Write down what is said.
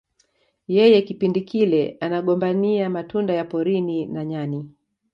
Yeye kipindi kile anagombania matunda ya porini na nyani